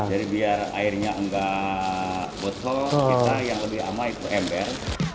jadi biar airnya enggak botol kita yang lebih amat itu ember